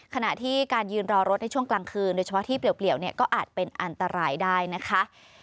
ขณะที่การยืนรอรถในช่วงกลางคืนโดยเฉพาะที่เปลี่ยวเนี่ยก็อาจเป็นอันตรายได้นะคะ